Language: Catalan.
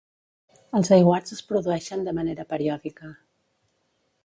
Els aiguats es produeixen de manera periòdica.